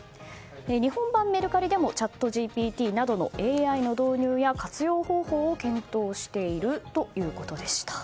日本版メルカリでもチャットＧＰＴなどのＡＩの導入や活用方法を検討しているということでした。